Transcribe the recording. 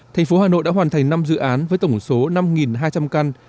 thành phố hà nội đã hoàn thành năm dự án với tổng số năm hai trăm linh căn